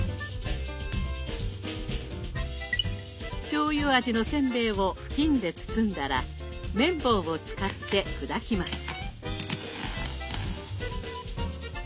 しょうゆ味のせんべいを布巾で包んだら麺棒を使って砕きます。